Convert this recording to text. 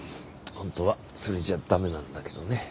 本当はそれじゃ駄目なんだけどね。